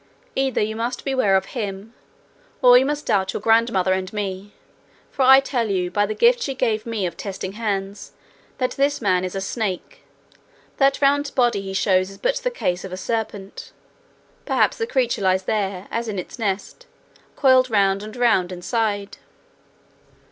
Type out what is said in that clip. Either you must beware of him, or you must doubt your grandmother and me; for I tell you, by the gift she gave me of testing hands, that this man is a snake. That round body he shows is but the case of a serpent. Perhaps the creature lies there, as in its nest, coiled round and round inside.'